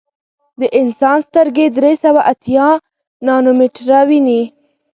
د انسان سترګې درې سوه اتیا نانومیټره ویني.